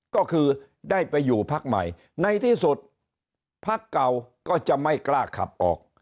ก็คือได้ไปอยู่พักใหม่ในที่สุดพักเก่าก็จะไม่กล้าขับออก